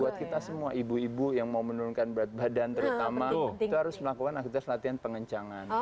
buat kita semua ibu ibu yang mau menurunkan berat badan terutama itu harus melakukan aktivitas latihan pengencangan